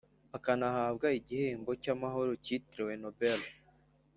akanahabwa igihembo cy'amahoro cyitiriwe nobel